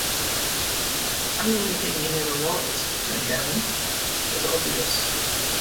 The only thing he never was, thank heaven, was obvious.